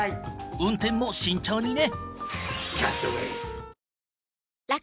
運転も慎重にね！